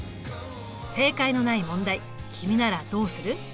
正解のない問題君ならどうする？